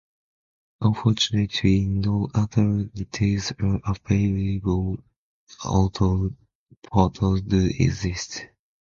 Unfortunately no other details are available, although photos do exist.